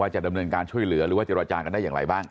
จะดำเนินการช่วยเหลือหรือว่าเจรจากันได้อย่างไรบ้าง